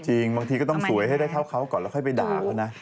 บางทีก็ต้องสวยให้ได้เท่าเขาก่อนแล้วค่อยไปด่าเขานะ